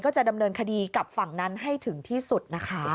จะดำเนินคดีกับฝั่งนั้นให้ถึงที่สุดนะคะ